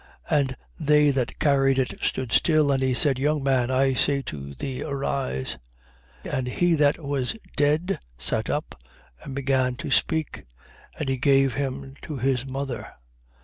And they that carried it stood still. And he said: Young man, I say to thee, arise. 7:15. And he that was dead sat up and begun to speak. And he gave him to his mother.